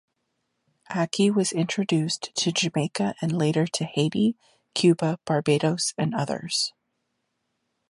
Ackee was introduced to Jamaica and later to Haiti, Cuba, Barbados and others.